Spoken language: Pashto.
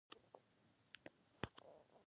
او غمونه وي ملګري